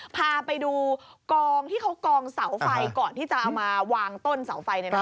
พาไปดูกองที่เขากองเสาไฟก่อนที่จะเอามาวางต้นเสาไฟ